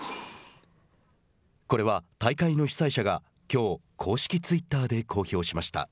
これは大会の主催者がきょう公式ツイッターで公表しました。